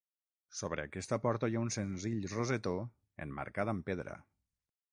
Sobre aquesta porta hi ha un senzill rosetó emmarcat amb pedra.